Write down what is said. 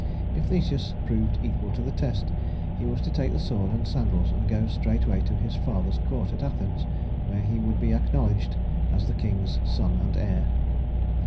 If Theseus proved equal to the test, he was to take the sword and sandals and go straightway to his father's court at Athens, where he would be acknowledged as the king's son and heir.